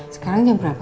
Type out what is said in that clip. sekarang jam berapa